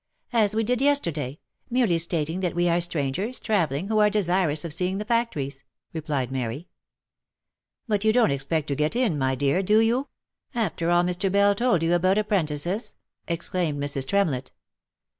" As we did yesterday — merely stating that we are strangers, tra velling, who are desirous of seeing the factories," replied Mary. R 242 THE LIFE AND ADVENTURES " But you don't expect to get in, my dear, do you ?— after all Mr. Bell told you about apprentices !" exclaimed Mrs. Tremlett.